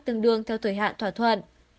tương đương theo thời hạn thỏa thuận